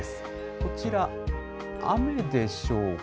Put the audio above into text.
こちら、雨でしょうか。